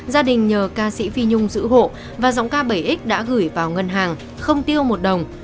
gia đình nhờ ca sĩ phi nhung giữ hộ và giọng ca bảy x đã gửi vào ngân hàng không tiêu một đồng